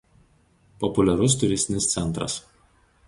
Populiarus turistinis centras.